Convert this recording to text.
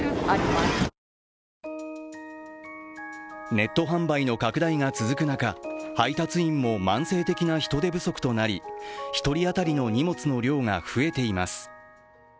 ネット販売の拡大が続く中、配達員も慢性的な人手不足となり、１人当たりの荷物の量が増えています。